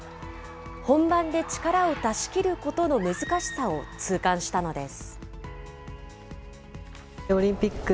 本番で力を出し切ることの難しさを痛感したのです。